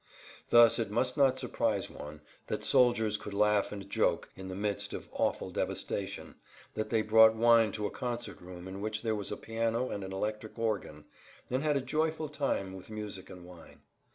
Thus it must not surprise one that soldiers could laugh and joke in the midst of awful devastation, that they brought wine to a concert room in which there was a piano and an electric organ, and had a joyful time with music and wine.